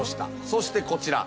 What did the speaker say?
そしてこちら。